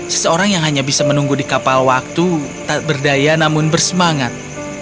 seseorang yang hanya bisa menunggu di kapal waktu tak berdaya namun bersemangat